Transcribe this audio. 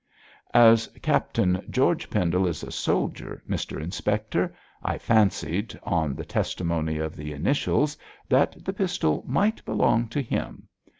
'As Captain George Pendle is a soldier, Mr Inspector, I fancied on the testimony of the initials that the pistol might belong to him.